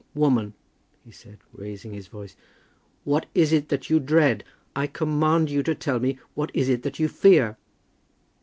"Woman," he said, raising his voice, "what is it that you dread? I command you to tell me what is it that you fear?"